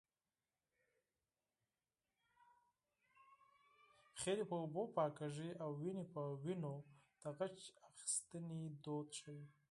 خیرې په اوبو پاکېږي او وينې په وينو د غچ اخیستنې دود ښيي